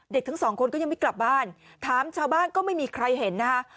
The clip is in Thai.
ทั้งสองคนก็ยังไม่กลับบ้านถามชาวบ้านก็ไม่มีใครเห็นนะคะ